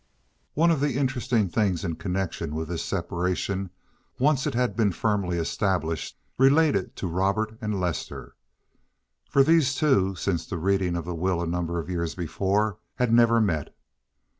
One of the interesting things in connection with this separation once it had been firmly established related to Robert and Lester, for these two since the reading of the will a number of years before had never met.